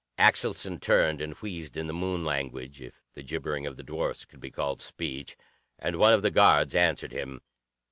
Axelson turned and wheezed in the Moon language if the gibbering of the dwarfs could be called speech and one of the guards answered him.